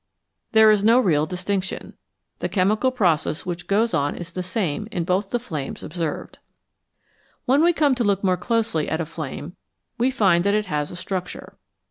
There is no real distinction ; the chemical process which goes on is the same in both the flames observed. When we come to look more closely at a flame we find that it has a structure.